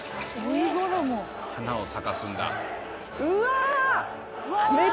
花を咲かすんだ。